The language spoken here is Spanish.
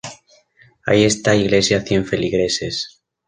Hay esta iglesia cien feligreses.